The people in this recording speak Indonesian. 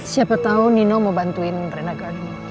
siapa tau nino mau bantuin rena gardening ya